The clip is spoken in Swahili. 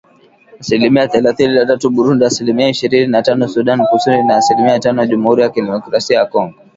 Asilimia thelathini na tatu Burundi ,asilimia ishirini na tano Sudan Kusini na asilimia tano Jamhuri ya Kidemokrasia ya Kongo